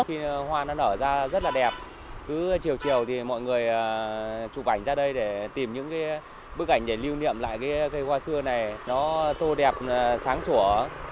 khi hoa nó nở ra rất là đẹp cứ chiều chiều thì mọi người chụp ảnh ra đây để tìm những cái bức ảnh để lưu niệm lại cái cây hoa xưa này nó tô đẹp sáng sủa